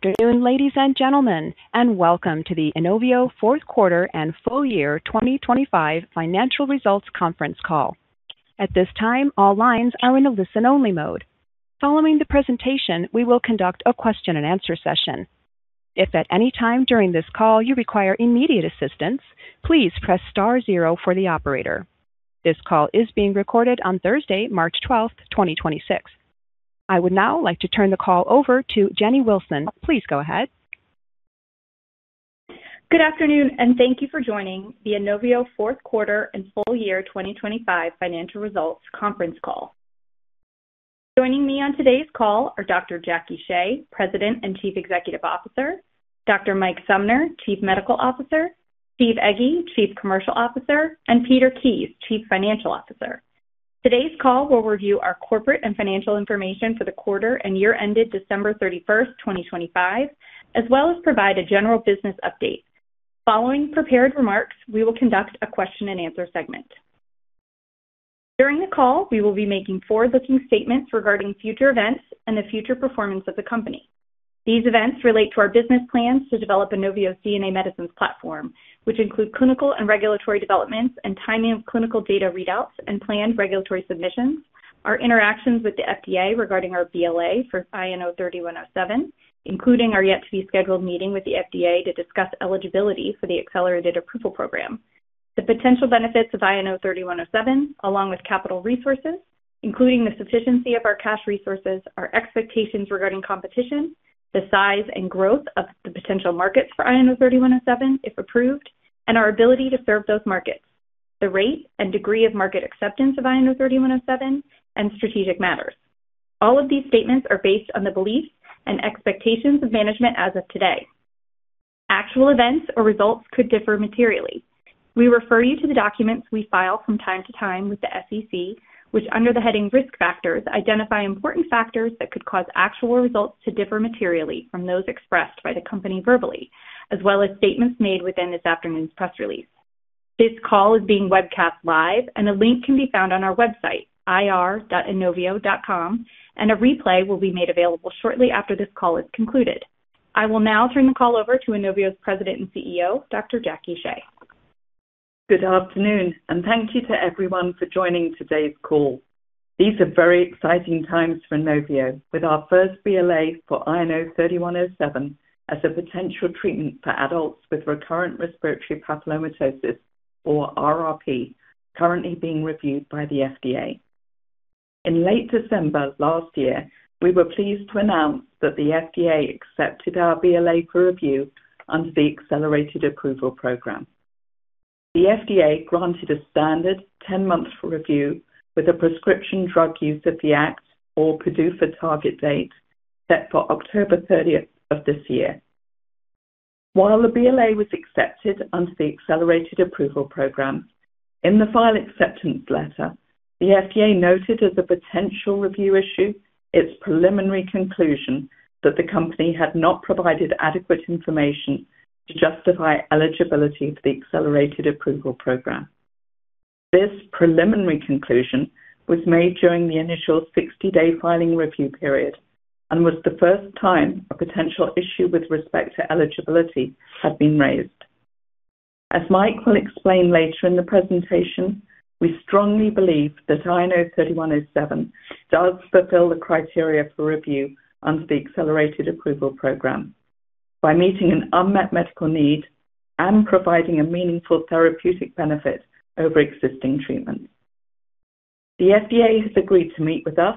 Afternoon, ladies and gentlemen, and welcome to the INOVIO fourth quarter and full year 2025 financial results conference call. At this time, all lines are in a listen-only mode. Following the presentation, we will conduct a question and answer session. If at any time during this call you require immediate assistance, please press star zero for the operator. This call is being recorded on Thursday, March 12, 2026. I would now like to turn the call over to Jennie Willson. Please go ahead. Good afternoon, and thank you for joining the INOVIO fourth quarter and full year 2025 financial results conference call. Joining me on today's call are Dr. Jackie Shea, President and Chief Executive Officer, Dr. Mike Sumner, Chief Medical Officer, Steve Egge, Chief Commercial Officer, and Peter Kies, Chief Financial Officer. Today's call will review our corporate and financial information for the quarter and year ended December 31st, 2025, as well as provide a general business update. Following prepared remarks, we will conduct a question and answer segment. During the call, we will be making forward-looking statements regarding future events and the future performance of the company. These events relate to our business plans to develop INOVIO's DNA medicines platform, which include clinical and regulatory developments and timing of clinical data readouts and planned regulatory submissions, our interactions with the FDA regarding our BLA for INO-3107, including our yet to be scheduled meeting with the FDA to discuss eligibility for the Accelerated Approval Program, the potential benefits of INO-3107 along with capital resources, including the sufficiency of our cash resources, our expectations regarding competition, the size and growth of the potential markets for INO-3107, if approved, and our ability to serve those markets, the rate and degree of market acceptance of INO-3107 and strategic matters. All of these statements are based on the beliefs and expectations of management as of today. Actual events or results could differ materially. We refer you to the documents we file from time to time with the SEC, which under the heading Risk Factors, identify important factors that could cause actual results to differ materially from those expressed by the company verbally, as well as statements made within this afternoon's press release. This call is being webcast live and a link can be found on our website ir.inovio.com, and a replay will be made available shortly after this call is concluded. I will now turn the call over to INOVIO's President and CEO, Dr. Jackie Shea. Good afternoon, and thank you to everyone for joining today's call. These are very exciting times for INOVIO with our first BLA for INO-3107 as a potential treatment for adults with recurrent respiratory papillomatosis, or RRP, currently being reviewed by the FDA. In late December of last year, we were pleased to announce that the FDA accepted our BLA for review under the Accelerated Approval Program. The FDA granted a standard 10-month review with a Prescription Drug User Fee Act, or PDUFA target date, set for October 30th of this year. While the BLA was accepted under the Accelerated Approval Program, in the file acceptance letter, the FDA noted as a potential review issue its preliminary conclusion that the company had not provided adequate information to justify eligibility for the Accelerated Approval Program. This preliminary conclusion was made during the initial 60-day filing review period and was the first time a potential issue with respect to eligibility had been raised. As Mike will explain later in the presentation, we strongly believe that INO-3107 does fulfill the criteria for review under the Accelerated Approval Program by meeting an unmet medical need and providing a meaningful therapeutic benefit over existing treatments. The FDA has agreed to meet with us.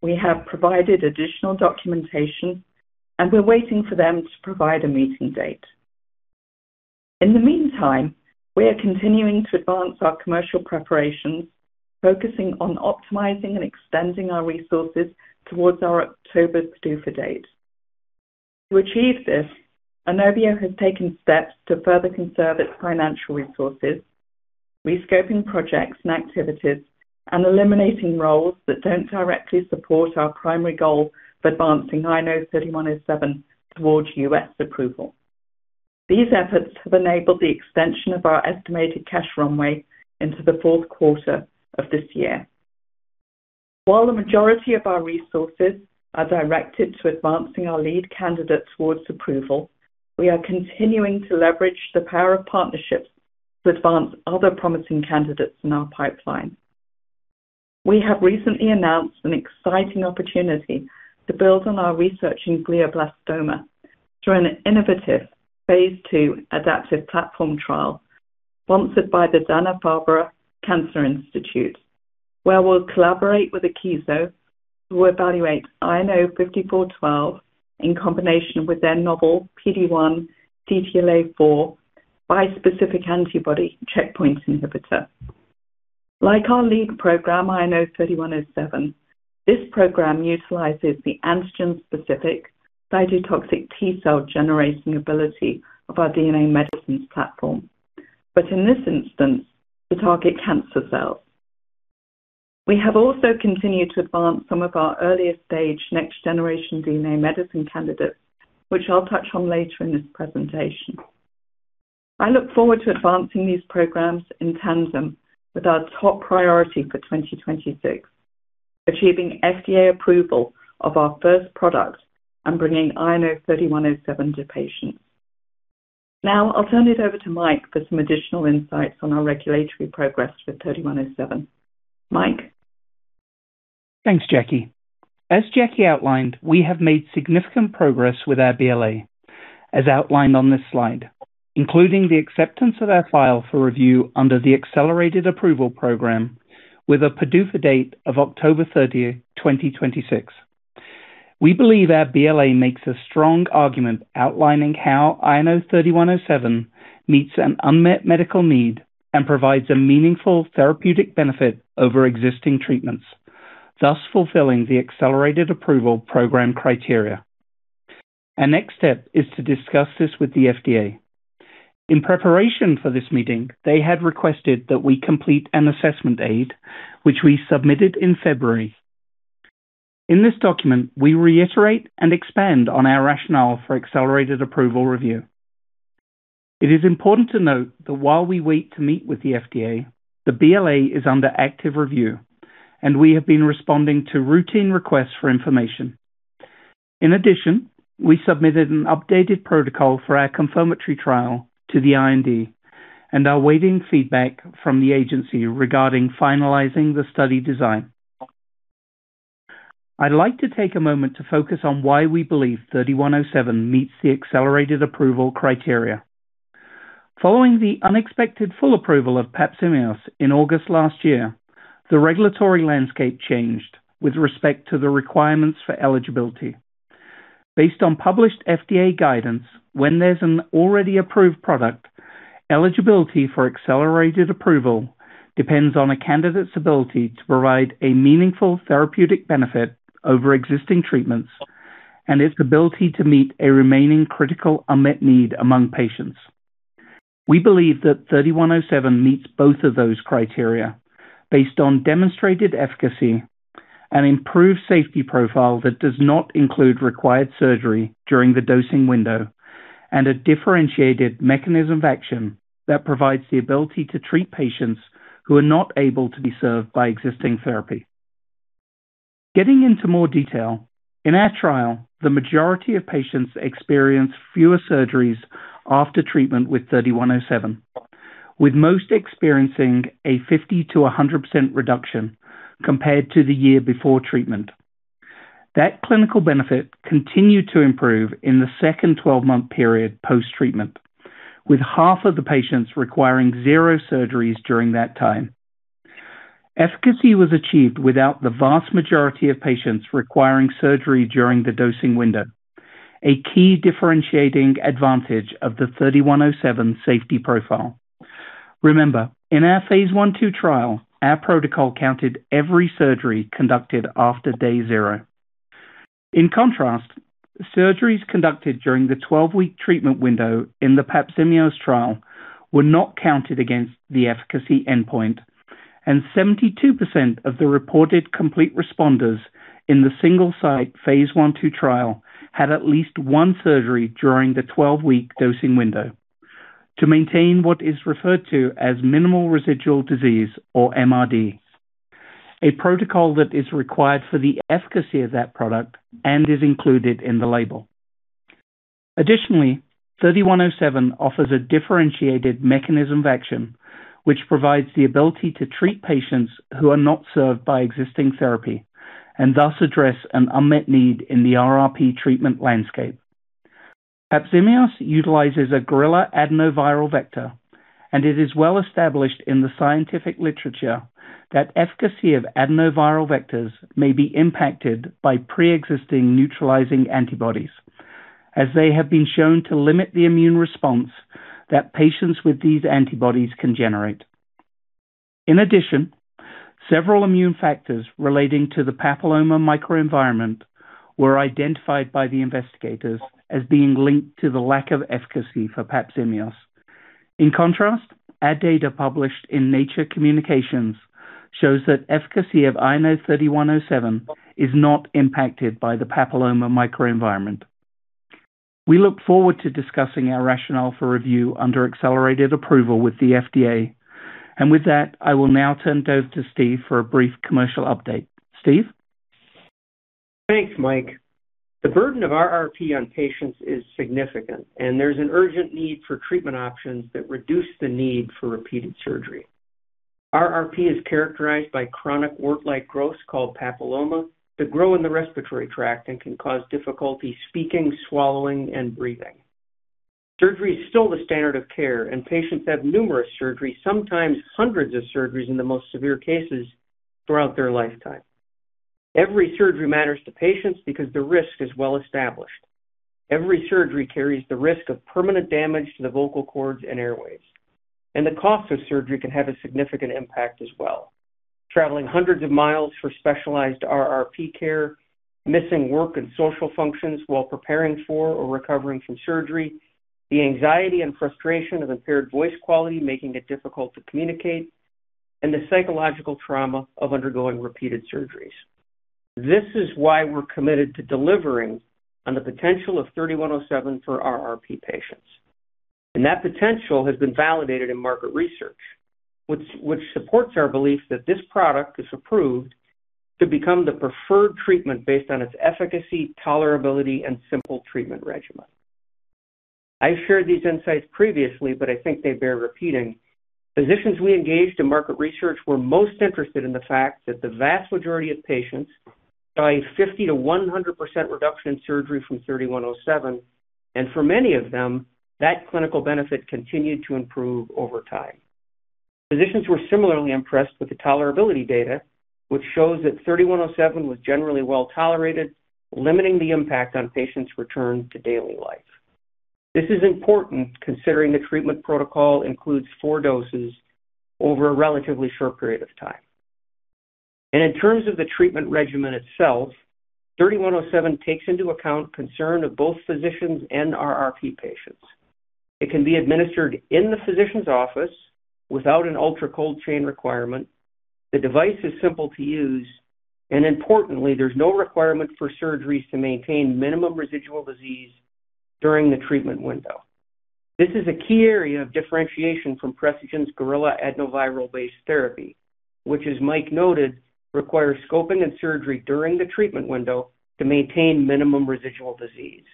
We have provided additional documentation and we're waiting for them to provide a meeting date. In the meantime, we are continuing to advance our commercial preparations, focusing on optimizing and extending our resources towards our October PDUFA date. To achieve this, INOVIO has taken steps to further conserve its financial resources, rescoping projects and activities, and eliminating roles that don't directly support our primary goal of advancing INO-3107 towards U.S. approval. These efforts have enabled the extension of our estimated cash runway into the fourth quarter of this year. While the majority of our resources are directed to advancing our lead candidate towards approval, we are continuing to leverage the power of partnerships to advance other promising candidates in our pipeline. We have recently announced an exciting opportunity to build on our research in glioblastoma through an innovative phase II adaptive platform trial sponsored by the Dana-Farber Cancer Institute, where we'll collaborate with Akeso to evaluate INO-5412 in combination with their novel PD-1/CTLA-4 bispecific antibody checkpoint inhibitor. Like our lead program, INO-3107, this program utilizes the antigen-specific cytotoxic T-cell generation ability of our DNA medicines platform, but in this instance, to target cancer cells. We have also continued to advance some of our earlier stage next generation DNA medicine candidates, which I'll touch on later in this presentation. I look forward to advancing these programs in tandem with our top priority for 2026, achieving FDA approval of our first product and bringing INO-3107 to patients. Now, I'll turn it over to Mike for some additional insights on our regulatory progress with INO-3107. Mike? Thanks, Jackie. As Jackie outlined, we have made significant progress with our BLA, as outlined on this slide, including the acceptance of our file for review under the Accelerated Approval Program with a PDUFA date of October 30th, 2026. We believe our BLA makes a strong argument outlining how INO-3107 meets an unmet medical need and provides a meaningful therapeutic benefit over existing treatments, thus fulfilling the Accelerated Approval Program criteria. Our next step is to discuss this with the FDA. In preparation for this meeting, they had requested that we complete an assessment aid, which we submitted in February. In this document, we reiterate and expand on our rationale for Accelerated Approval review. It is important to note that while we wait to meet with the FDA, the BLA is under active review, and we have been responding to routine requests for information. In addition, we submitted an updated protocol for our confirmatory trial to the IND and are awaiting feedback from the agency regarding finalizing the study design. I'd like to take a moment to focus on why we believe INO-3107 meets the Accelerated Approval criteria. Following the unexpected full approval of PAPZIMEOS in August last year, the regulatory landscape changed with respect to the requirements for eligibility. Based on published FDA guidance, when there's an already approved product, eligibility for Accelerated Approval depends on a candidate's ability to provide a meaningful therapeutic benefit over existing treatments and its ability to meet a remaining critical unmet need among patients. We believe that INO-3107 meets both of those criteria based on demonstrated efficacy, an improved safety profile that does not include required surgery during the dosing window, and a differentiated mechanism of action that provides the ability to treat patients who are not able to be served by existing therapy. Getting into more detail, in our trial, the majority of patients experienced fewer surgeries after treatment with INO-3107, with most experiencing a 50%-100% reduction compared to the year before treatment. That clinical benefit continued to improve in the second 12-month period post-treatment, with half of the patients requiring zero surgeries during that time. Efficacy was achieved without the vast majority of patients requiring surgery during the dosing window, a key differentiating advantage of the INO-3107 safety profile. Remember, in our phase I/II trial, our protocol counted every surgery conducted after day zero. In contrast, surgeries conducted during the 12-week treatment window in the PAPZIMEOS trial were not counted against the efficacy endpoint, and 72% of the reported complete responders in the single-site phase I/II trial had at least one surgery during the 12-week dosing window to maintain what is referred to as minimal residual disease or MRD, a protocol that is required for the efficacy of that product and is included in the label. Additionally, INO-3107 offers a differentiated mechanism of action, which provides the ability to treat patients who are not served by existing therapy and thus address an unmet need in the RRP treatment landscape. PAPZIMEOS utilizes a gorilla adenoviral vector, and it is well established in the scientific literature that efficacy of adenoviral vectors may be impacted by preexisting neutralizing antibodies, as they have been shown to limit the immune response that patients with these antibodies can generate. In addition, several immune factors relating to the papilloma microenvironment were identified by the investigators as being linked to the lack of efficacy for PAPZIMEOS. In contrast, our data published in Nature Communications shows that efficacy of INO-3107 is not impacted by the papilloma microenvironment. We look forward to discussing our rationale for review under Accelerated Approval with the FDA. With that, I will now turn it over to Steve for a brief commercial update. Steve? Thanks, Mike. The burden of RRP on patients is significant, and there's an urgent need for treatment options that reduce the need for repeated surgery. RRP is characterized by chronic wart-like growths called papilloma that grow in the respiratory tract and can cause difficulty speaking, swallowing, and breathing. Surgery is still the standard of care, and patients have numerous surgeries, sometimes hundreds of surgeries in the most severe cases, throughout their lifetime. Every surgery matters to patients because the risk is well-established. Every surgery carries the risk of permanent damage to the vocal cords and airways. The cost of surgery can have a significant impact as well. Traveling hundreds of miles for specialized RRP care, missing work and social functions while preparing for or recovering from surgery, the anxiety and frustration of impaired voice quality making it difficult to communicate, and the psychological trauma of undergoing repeated surgeries. This is why we're committed to delivering on the potential of INO-3107 for RRP patients. That potential has been validated in market research, which supports our belief that this product is approved to become the preferred treatment based on its efficacy, tolerability, and simple treatment regimen. I shared these insights previously, but I think they bear repeating. Physicians we engaged in market research were most interested in the fact that the vast majority of patients saw a 50%-100% reduction in surgery from INO-3107, and for many of them, that clinical benefit continued to improve over time. Physicians were similarly impressed with the tolerability data, which shows that INO-3107 was generally well-tolerated, limiting the impact on patients' return to daily life. This is important considering the treatment protocol includes four doses over a relatively short period of time. In terms of the treatment regimen itself, INO-3107 takes into account concern of both physicians and RRP patients. It can be administered in the physician's office without an ultra-cold chain requirement. The device is simple to use, and importantly, there's no requirement for surgeries to maintain minimum residual disease during the treatment window. This is a key area of differentiation from Precigen's gorilla adenoviral-based therapy, which, as Mike noted, requires scoping and surgery during the treatment window to maintain minimum residual disease.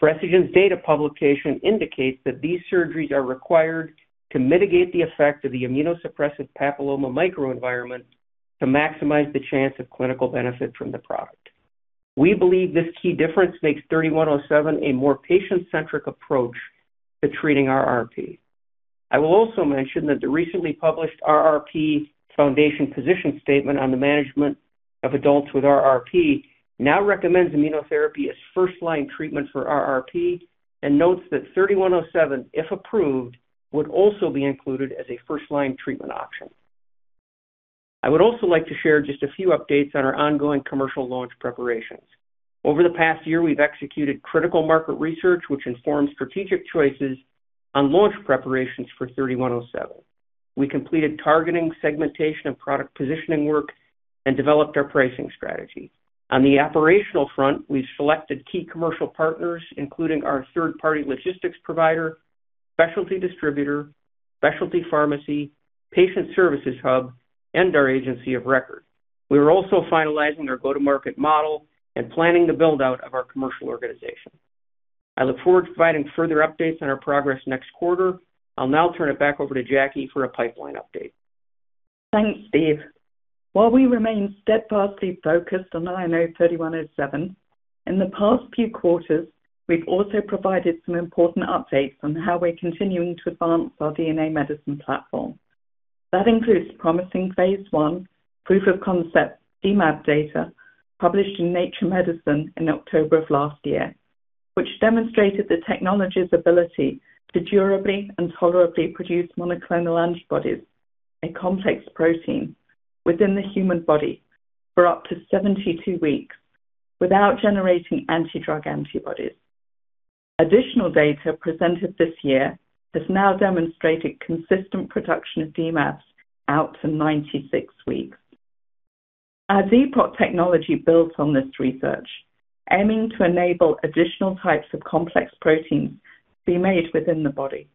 Precigen's data publication indicates that these surgeries are required to mitigate the effect of the immunosuppressive papilloma microenvironment to maximize the chance of clinical benefit from the product. We believe this key difference makes INO-3107 a more patient-centric approach to treating RRP. I will also mention that the recently published RRP Foundation position statement on the management of adults with RRP now recommends immunotherapy as first-line treatment for RRP and notes that INO-3107, if approved, would also be included as a first-line treatment option. I would also like to share just a few updates on our ongoing commercial launch preparations. Over the past year, we've executed critical market research, which informs strategic choices on launch preparations for INO-3107. We completed targeting, segmentation, and product positioning work and developed our pricing strategy. On the operational front, we've selected key commercial partners, including our third-party logistics provider, specialty distributor, specialty pharmacy, patient services hub, and our agency of record. We are also finalizing our go-to-market model and planning the build-out of our commercial organization. I look forward to providing further updates on our progress next quarter. I'll now turn it back over to Jackie for a pipeline update. Thanks, Steve. While we remain steadfastly focused on INO-3107, in the past few quarters, we've also provided some important updates on how we're continuing to advance our DNA medicine platform. That includes promising phase I proof of concept DMAb data published in Nature Medicine in October of last year, which demonstrated the technology's ability to durably and tolerably produce monoclonal antibodies, a complex protein, within the human body for up to 72 weeks without generating anti-drug antibodies. Additional data presented this year has now demonstrated consistent production of DMAbs out to 96 weeks. Our DPROT technology builds on this research, aiming to enable additional types of complex proteins to be made within the body.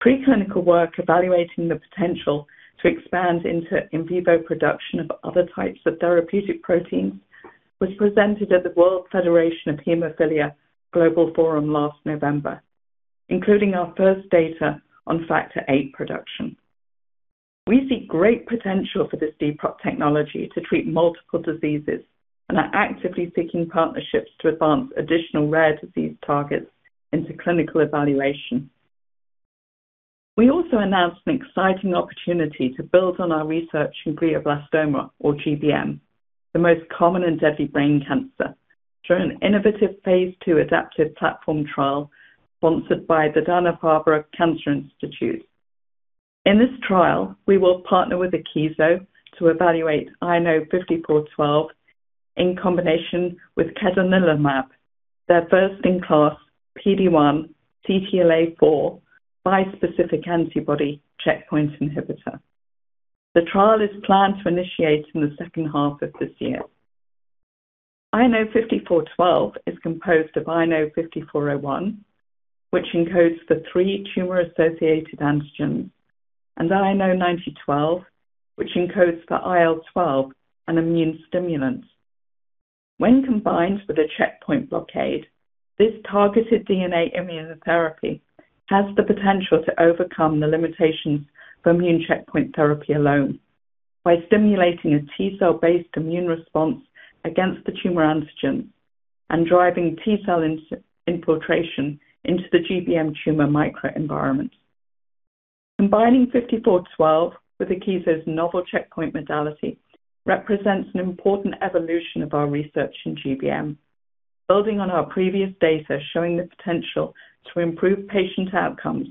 Pre-clinical work evaluating the potential to expand into in vivo production of other types of therapeutic proteins was presented at the World Federation of Hemophilia Global Forum last November, including our first data on Factor VIII production. We see great potential for this DPROT technology to treat multiple diseases and are actively seeking partnerships to advance additional rare disease targets into clinical evaluation. We also announced an exciting opportunity to build on our research in glioblastoma, or GBM, the most common and deadly brain cancer, through an innovative phase II adaptive platform trial sponsored by the Dana-Farber Cancer Institute. In this trial, we will partner with Akeso to evaluate INO-5412 in combination with cadonilimab, their first-in-class PD-1/CTLA-4 bispecific antibody checkpoint inhibitor. The trial is planned to initiate in the second half of this year. INO-5412 is composed of INO-5401, which encodes for three tumor-associated antigens, and INO-9012, which encodes for IL-12, an immune stimulant. When combined with a checkpoint blockade, this targeted DNA immunotherapy has the potential to overcome the limitations for immune checkpoint therapy alone by stimulating a T-cell-based immune response against the tumor antigen and driving T-cell infiltration into the GBM tumor microenvironment. Combining INO-5412 with Akeso's novel checkpoint modality represents an important evolution of our research in GBM, building on our previous data showing the potential to improve patient outcomes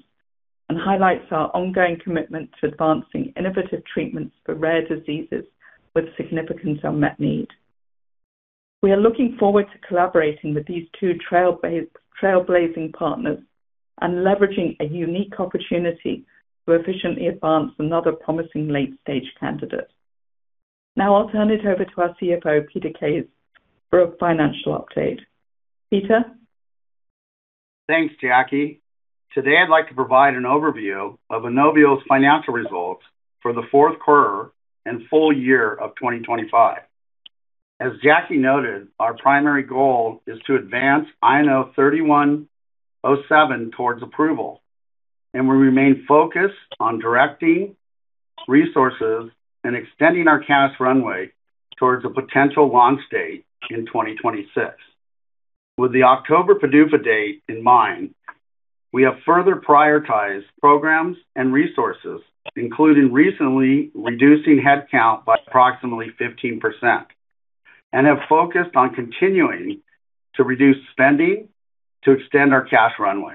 and highlights our ongoing commitment to advancing innovative treatments for rare diseases with significant unmet need. We are looking forward to collaborating with these two trailblazing partners and leveraging a unique opportunity to efficiently advance another promising late-stage candidate. Now I'll turn it over to our CFO, Peter Kies, for a financial update. Peter? Thanks, Jackie. Today, I'd like to provide an overview of INOVIO's financial results for the fourth quarter and full year of 2025. As Jackie noted, our primary goal is to advance INO-3107 towards approval, and we remain focused on directing resources and extending our cash runway towards a potential launch date in 2026. With the October PDUFA date in mind, we have further prioritized programs and resources, including recently reducing headcount by approximately 15% and have focused on continuing to reduce spending to extend our cash runway.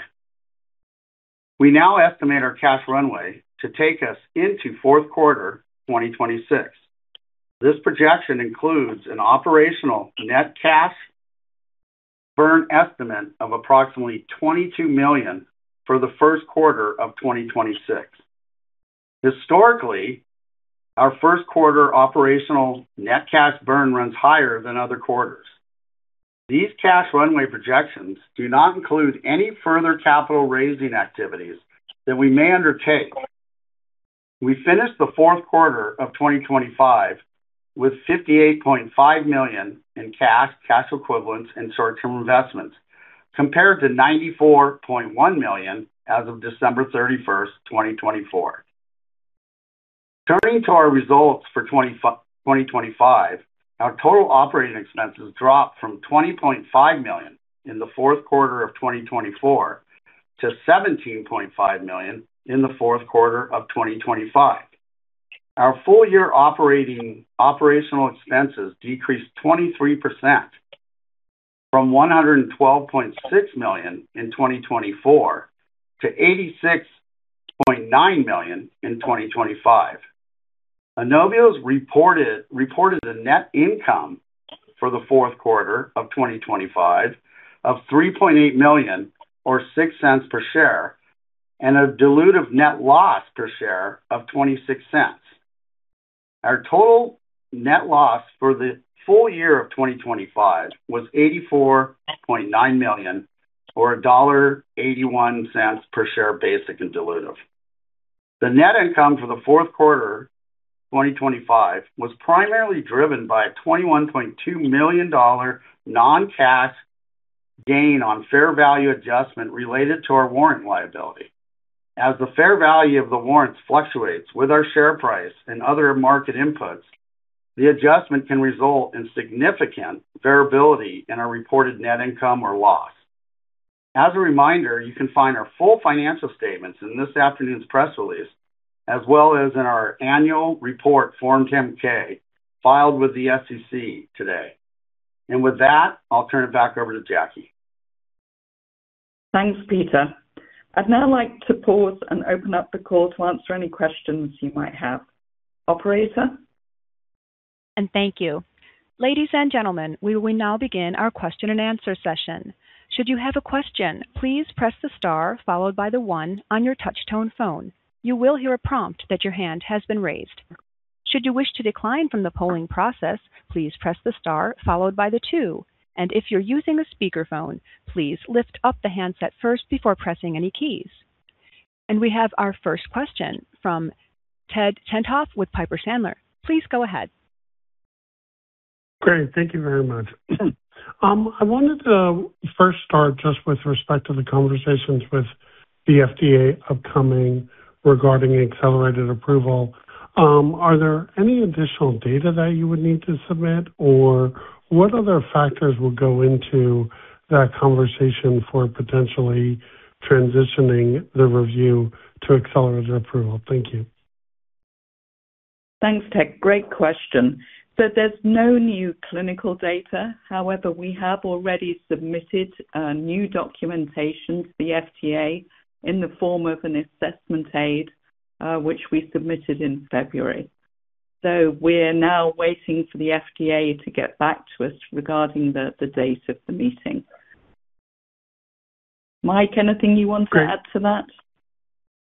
We now estimate our cash runway to take us into fourth quarter 2026. This projection includes an operational net cash burn estimate of approximately $22 million for the first quarter of 2026. Historically, our first quarter operational net cash burn runs higher than other quarters. These cash runway projections do not include any further capital raising activities that we may undertake. We finished the fourth quarter of 2025 with $58.5 million in cash, cash equivalents and short-term investments, compared to $94.1 million as of December 31st, 2024. Turning to our results for 2025, our total operating expenses dropped from $20.5 million in the fourth quarter of 2024 to $17.5 million in the fourth quarter of 2025. Our full year operational expenses decreased 23% from $112.6 million in 2024 to $86.9 million in 2025. INOVIO reported a net income for the fourth quarter of 2025 of $3.8 million or $0.06 per share and a dilutive net loss per share of $0.26. Our total net loss for the full year of 2025 was $84.9 million or $1.81 per share, basic and diluted. The net income for the fourth quarter 2025 was primarily driven by a $21.2 million non-cash gain on fair value adjustment related to our warrant liability. As the fair value of the warrants fluctuates with our share price and other market inputs, the adjustment can result in significant variability in our reported net income or loss. As a reminder, you can find our full financial statements in this afternoon's press release as well as in our annual report Form 10-K filed with the SEC today. With that, I'll turn it back over to Jackie. Thanks, Peter. I'd now like to pause and open up the call to answer any questions you might have. Operator? Thank you. Ladies and gentlemen, we will now begin our question and answer session. Should you have a question, please press the star followed by the one on your touch tone phone. You will hear a prompt that your hand has been raised. Should you wish to decline from the polling process, please press the star followed by the two. If you're using a speakerphone, please lift up the handset first before pressing any keys. We have our first question from Ted Tenthoff with Piper Sandler. Please go ahead. Great. Thank you very much. I wanted to first start just with respect to the conversations with the FDA upcoming regarding Accelerated Approval. Are there any additional data that you would need to submit, or what other factors would go into that conversation for potentially transitioning the review to Accelerated Approval? Thank you. Thanks, Ted. Great question. There's no new clinical data. However, we have already submitted new documentation to the FDA in the form of an Assessment Aid, which we submitted in February. We're now waiting for the FDA to get back to us regarding the date of the meeting. Mike, anything you want to add to that?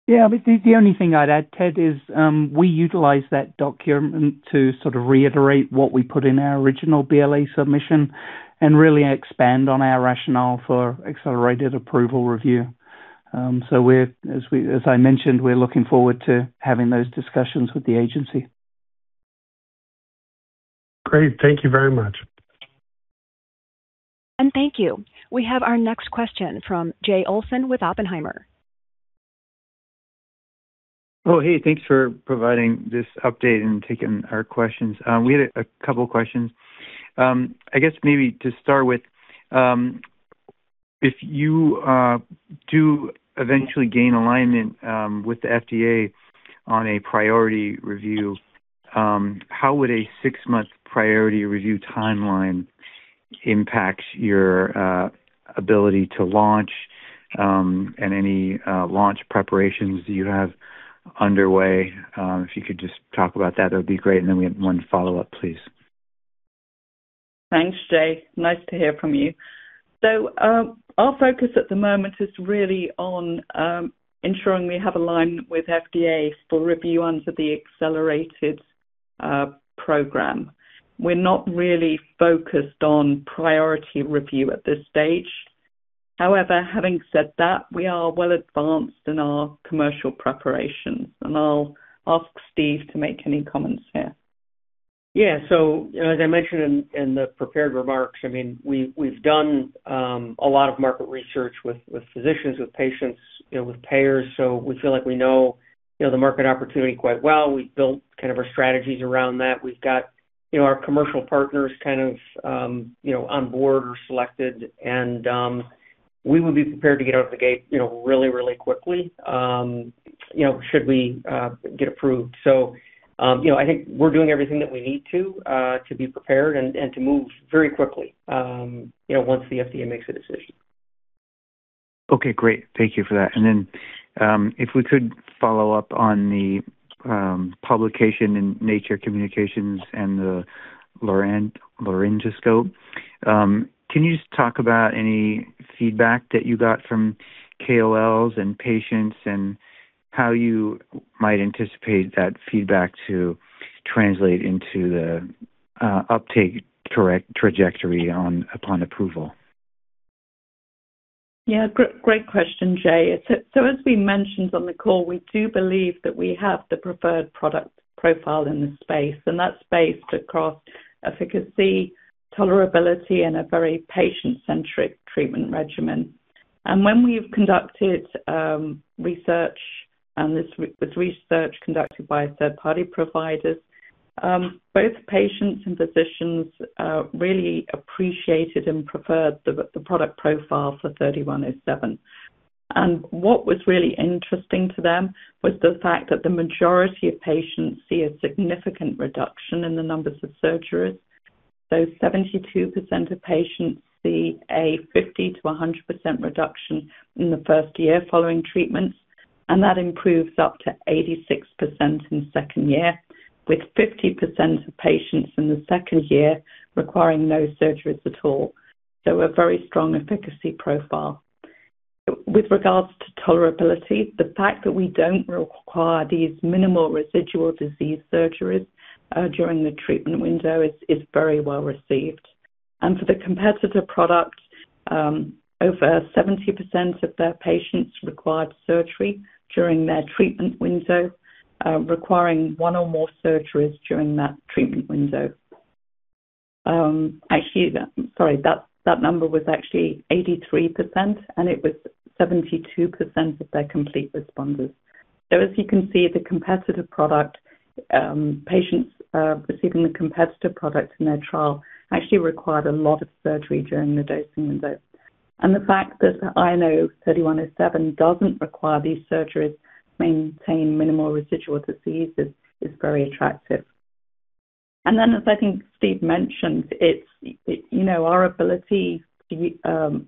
Yeah, the only thing I'd add, Ted, is we utilize that document to sort of reiterate what we put in our original BLA submission and really expand on our rationale for Accelerated Approval review. We're, as I mentioned, looking forward to having those discussions with the agency. Great. Thank you very much. Thank you. We have our next question from Jay Olson with Oppenheimer. Oh, hey, thanks for providing this update and taking our questions. We had a couple questions. I guess maybe to start with, if you do eventually gain alignment with the FDA on a priority review, how would a six-month priority review timeline impact your ability to launch? Any launch preparations that you have underway, if you could just talk about that would be great. Then we have one follow-up, please. Thanks, Jay. Nice to hear from you. Our focus at the moment is really on ensuring we have alignment with FDA for review under the Accelerated program. We're not really focused on priority review at this stage. However, having said that, we are well advanced in our commercial preparations, and I'll ask Steve to make any comments here. Yeah. As I mentioned in the prepared remarks, I mean, we've done a lot of market research with physicians, with patients, you know, with payers. We feel like we know the market opportunity quite well. We've built kind of our strategies around that. We've got, you know, our commercial partners kind of on board or selected and we will be prepared to get out of the gate, you know, really, really quickly, you know, should we get approved. I think we're doing everything that we need to to be prepared and to move very quickly, you know, once the FDA makes a decision. Okay, great. Thank you for that. Then, if we could follow up on the publication in Nature Communications and the Laryngoscope. Can you just talk about any feedback that you got from KOLs and patients and how you might anticipate that feedback to translate into the uptake trajectory upon approval? Yeah. Great question, Jay. As we mentioned on the call, we do believe that we have the preferred product profile in this space, and that's based across efficacy, tolerability, and a very patient-centric treatment regimen. When we've conducted research, and this was research conducted by third-party providers, both patients and physicians really appreciated and preferred the product profile for INO-3107. What was really interesting to them was the fact that the majority of patients see a significant reduction in the numbers of surgeries. 72% of patients see a 50%-100% reduction in the first year following treatments, and that improves up to 86% in second year, with 50% of patients in the second year requiring no surgeries at all. A very strong efficacy profile. With regards to tolerability, the fact that we don't require these minimal residual disease surgeries during the treatment window is very well received. For the competitor product, over 70% of their patients required surgery during their treatment window, requiring one or more surgeries during that treatment window. Actually, that number was actually 83%, and it was 72% of their complete responders. As you can see, the competitor product patients receiving the competitor product in their trial actually required a lot of surgery during the dosing window. The fact that INO-3107 doesn't require these surgeries to maintain minimal residual disease is very attractive. As I think Steve mentioned, it's you know our ability to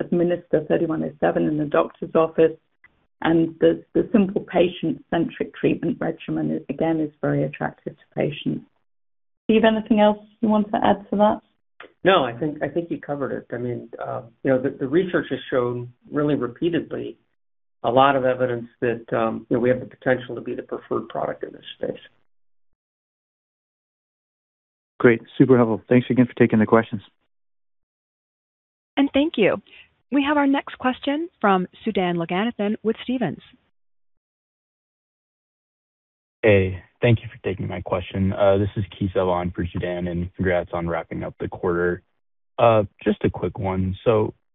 administer INO-3107 in the doctor's office and the simple patient-centric treatment regimen is again very attractive to patients. Steve, anything else you want to add to that? No, I think you covered it. I mean, you know, the research has shown really repeatedly a lot of evidence that, you know, we have the potential to be the preferred product in this space. Great. Super helpful. Thanks again for taking the questions. Thank you. We have our next question from Sudan Loganathan with Stephens. Hey, thank you for taking my question. This is Kesav on for Sudan, and congrats on wrapping up the quarter. Just a quick one.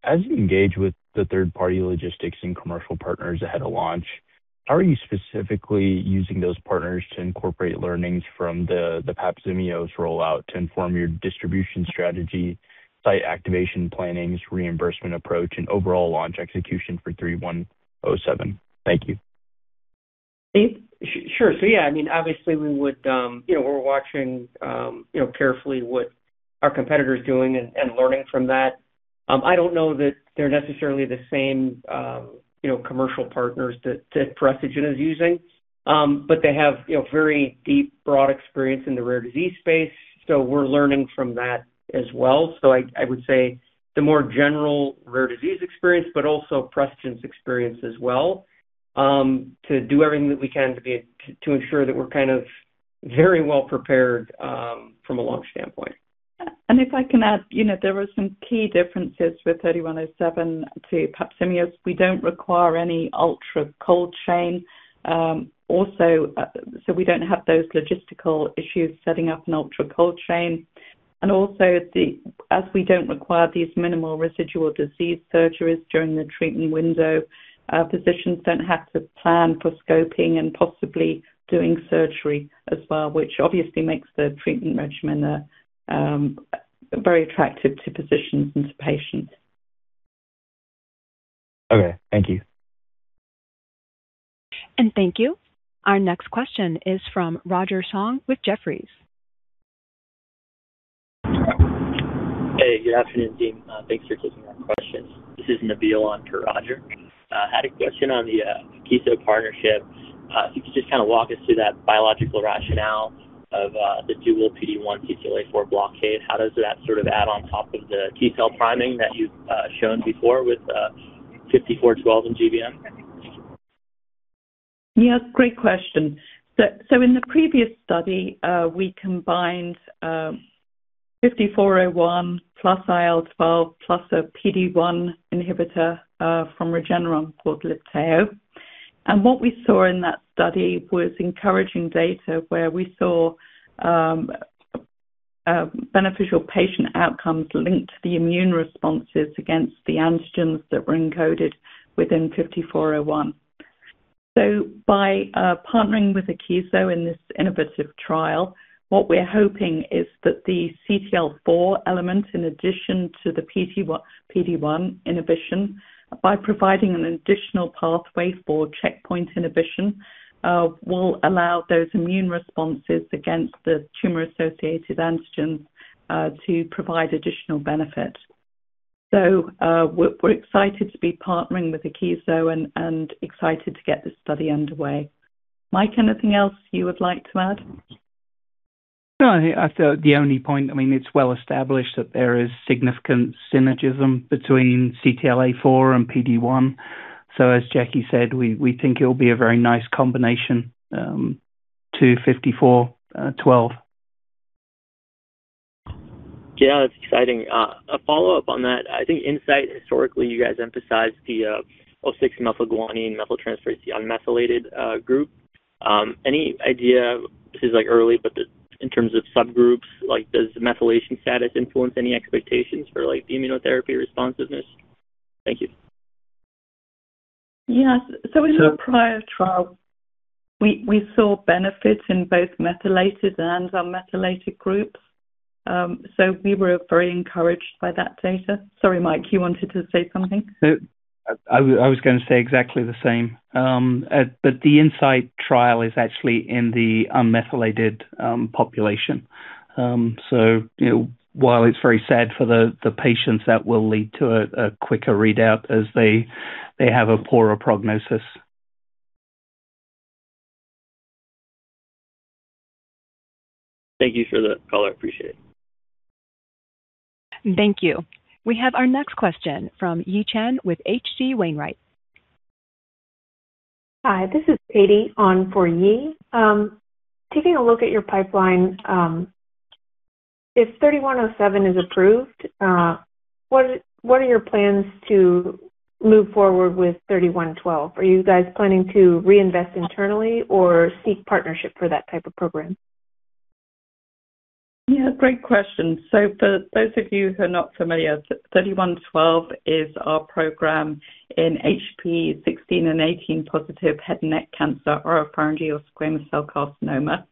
As you engage with the third-party logistics and commercial partners ahead of launch, how are you specifically using those partners to incorporate learnings from the PAPZIMEOS rollout to inform your distribution strategy, site activation planning, reimbursement approach, and overall launch execution for INO-3107? Thank you. Sure. Yeah, I mean, obviously we would, you know, we're watching, you know, carefully what our competitor is doing and learning from that. I don't know that they're necessarily the same, you know, commercial partners that Precigen is using. But they have, you know, very deep, broad experience in the rare disease space. We're learning from that as well. I would say the more general rare disease experience, but also Precigen's experience as well, to do everything that we can to ensure that we're kind of very well prepared from a launch standpoint. If I can add, you know, there are some key differences with INO-3107 to PAPZIMEOS. We don't require any ultra cold chain. We don't have those logistical issues setting up an ultra cold chain. As we don't require these minimal residual disease surgeries during the treatment window, physicians don't have to plan for scoping and possibly doing surgery as well, which obviously makes the treatment regimen very attractive to physicians and to patients. Okay. Thank you. Thank you. Our next question is from Roger Song with Jefferies. Hey, good afternoon, team. Thanks for taking our questions. This is Nabeel on for Roger. I had a question on the Akeso partnership. If you could just kinda walk us through that biological rationale of the dual PD-1/CTLA-4 blockade. How does that sort of add on top of the T-cell priming that you've shown before with 5412 in GBM? Yes, great question. In the previous study, we combined 5401 plus IL-12 plus a PD-1 inhibitor from Regeneron called Libtayo. What we saw in that study was encouraging data where we saw beneficial patient outcomes linked to the immune responses against the antigens that were encoded within 5401. By partnering with Akeso in this innovative trial, what we're hoping is that the CTLA-4 element, in addition to the PD-1 inhibition, by providing an additional pathway for checkpoint inhibition, will allow those immune responses against the tumor-associated antigens to provide additional benefit. We're excited to be partnering with Akeso and excited to get this study underway. Mike, anything else you would like to add? No, I think that's the only point. I mean, it's well established that there is significant synergism between CTLA-4 and PD-1. As Jackie said, we think it'll be a very nice combination to 5412. Yeah, that's exciting. A follow-up on that. I think INSIGhT, historically, you guys emphasized the O6-methylguanine-DNA methyltransferase unmethylated group. Any idea, this is like early, but in terms of subgroups, like does the methylation status influence any expectations for like the immunotherapy responsiveness? Thank you. Yes. In our prior trial, we saw benefits in both methylated and unmethylated groups. We were very encouraged by that data. Sorry, Mike, you wanted to say something? No. I was gonna say exactly the same. But the INSIGhT trial is actually in the unmethylated population. So, you know, while it's very sad for the patients, that will lead to a quicker readout as they have a poorer prognosis. Thank you for the call. I appreciate it. Thank you. We have our next question from Yi Chen with H.C. Wainwright. Hi, this is Katie on for Yi. Taking a look at your pipeline, if INO-3107 is approved, what are your plans to move forward with 3112? Are you guys planning to reinvest internally or seek partnership for that type of program? Yeah, great question. For those of you who are not familiar, 3112 is our program in HPV 16 and 18 positive head and neck cancer, oropharyngeal squamous cell carcinoma.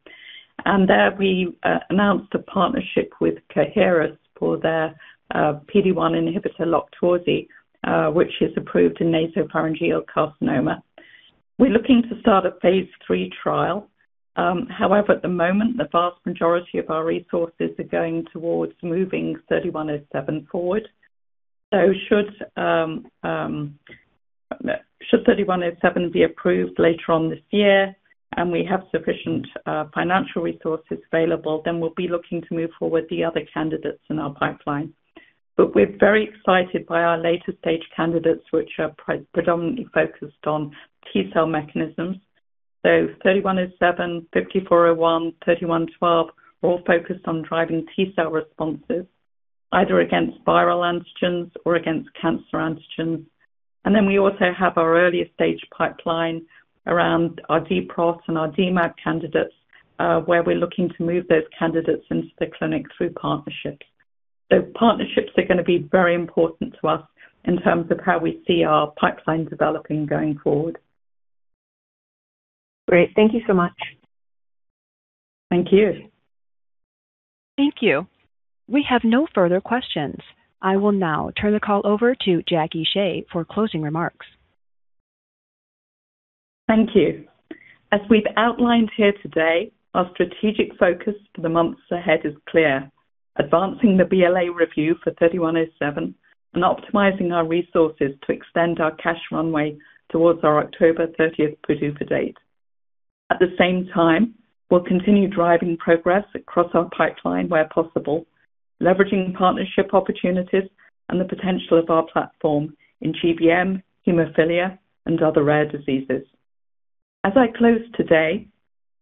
There, we announced a partnership with Coherus for their PD-1 inhibitor LOQTORZI, which is approved in nasopharyngeal carcinoma. We're looking to start a phase III trial. However, at the moment, the vast majority of our resources are going towards moving INO-3107 forward. Should INO-3107 be approved later on this year, and we have sufficient financial resources available, then we'll be looking to move forward the other candidates in our pipeline. We're very excited by our later-stage candidates, which are predominantly focused on T-cell mechanisms. so, INO-3107, 5401, 3112, all focused on driving T-cell responses either against viral antigens or against cancer antigens. We also have our earlier stage pipeline around our DPROT and our DMAb candidates, where we're looking to move those candidates into the clinic through partnerships. Partnerships are gonna be very important to us in terms of how we see our pipeline developing going forward. Great. Thank you so much. Thank you. Thank you. We have no further questions. I will now turn the call over to Jackie Shea for closing remarks. Thank you. As we've outlined here today, our strategic focus for the months ahead is clear. Advancing the BLA review for INO-3107 and optimizing our resources to extend our cash runway towards our October 30th PDUFA date. At the same time, we'll continue driving progress across our pipeline where possible, leveraging partnership opportunities and the potential of our platform in GBM, hemophilia, and other rare diseases. As I close today,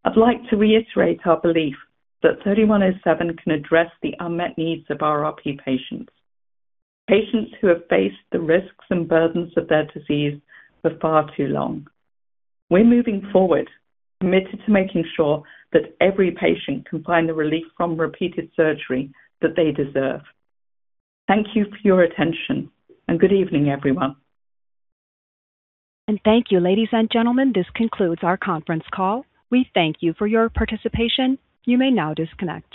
I'd like to reiterate our belief that INO-3107 can address the unmet needs of RRP patients. Patients who have faced the risks and burdens of their disease for far too long. We're moving forward, committed to making sure that every patient can find the relief from repeated surgery that they deserve. Thank you for your attention, and good evening, everyone. Thank you, ladies and gentlemen. This concludes our conference call. We thank you for your participation. You may now disconnect.